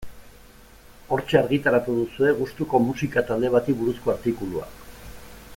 Hortxe argitaratu duzue gustuko musika talde bati buruzko artikulua.